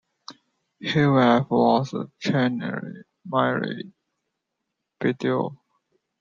His wife was Catherine Maria Biddulph.